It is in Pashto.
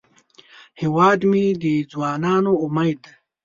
هیواد مې د ځوانانو امید دی